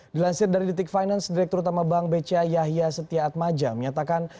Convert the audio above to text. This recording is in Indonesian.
dilansir dari detik finance direktur utama bank bca yahya setia atmaja menyatakan